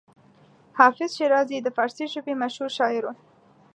حافظ شیرازي د فارسي ژبې مشهور شاعر و.